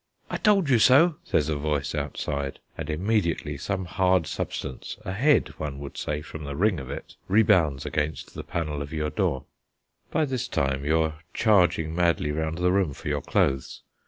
"I told you so," says a voice outside, and immediately some hard substance, a head one would say from the ring of it, rebounds against the panel of your door. By this time you are charging madly round the room for your clothes.